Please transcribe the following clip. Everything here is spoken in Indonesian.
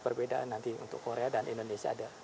perbedaan nanti untuk korea dan indonesia ada